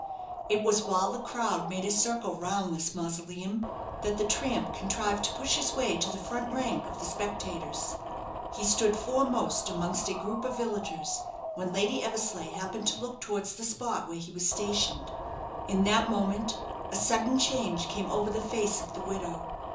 It was while the crowd made a circle round this mausoleum that the tramp contrived to push his way to the front rank of the spectators. He stood foremost amongst a group of villagers, when Lady Eversleigh happened to look towards the spot where he was stationed. In that moment a sudden change came over the face of the widow.